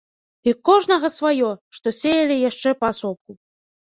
І ў кожнага сваё, што сеялі яшчэ паасобку.